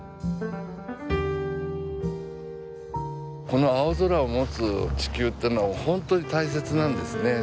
この青空を持つ地球ってのは本当に大切なんですね。